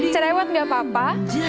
cerewet gak apa apa